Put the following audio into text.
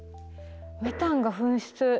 メタンが噴出